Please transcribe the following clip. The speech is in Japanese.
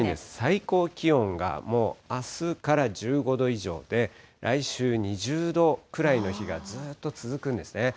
最高気温がもうあすから１５度以上で、来週２０度くらいの日がずっと続くんですね。